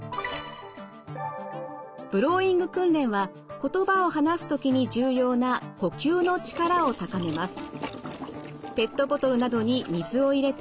ブローイング訓練は言葉を話す時に重要な呼吸の力を高めます。